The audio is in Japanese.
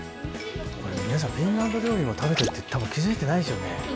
皆さんフィンランド料理食べてるってたぶん気付いてないでしょうね。